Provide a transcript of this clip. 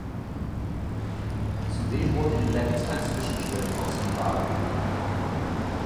Zudem wurde in Levens ein Zwischensprint ausgetragen.